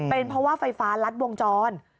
เป็นเพราะว่าไฟฟ้ารัดวงจร